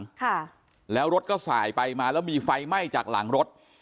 ค่ะแล้วรถก็สายไปมาแล้วมีไฟไหม้จากหลังรถ